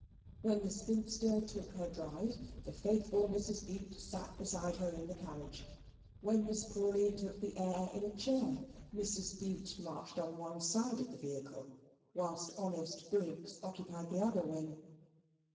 When the spinster took her drive, the faithful Mrs. Bute sate beside her in the carriage. When Miss Crawley took the air in a chair, Mrs. Bute marched on one side of the vehicle, whilst honest Briggs occupied the other wing.